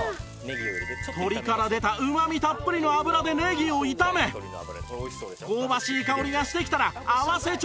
鶏から出たうまみたっぷりの油でネギを炒め香ばしい香りがしてきたら合わせ調味料で味付け！